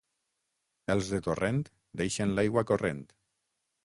Els de Torrent deixen l'aigua corrent.